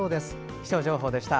気象情報でした。